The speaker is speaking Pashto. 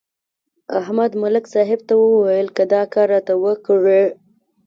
احمد ملک صاحب ته ویل: که دا کار راته وکړې.